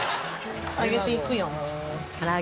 揚げていくよ。